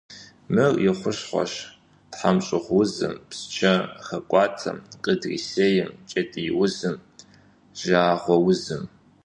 Мыр и хущхъуэщ тхьэмщӏыгъуузым, псчэ хэкӏуэтам, къыдрисейм, кӏэтӏийузым, жьагъэузым.